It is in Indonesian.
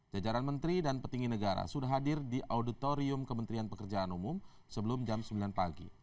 jajaran menteri dan petinggi negara sudah hadir di auditorium kementerian pekerjaan umum sebelum jam sembilan pagi